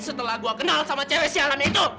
setelah gue kenal sama cewek sialan itu